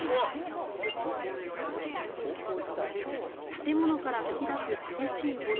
建物から噴き出す激しい炎。